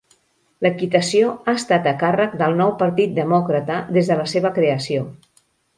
L'equitació ha estat a càrrec del Nou Partit Demòcrata des de la seva creació.